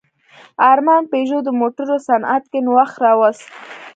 ارمان پيژو د موټرو صنعت کې نوښت راوست.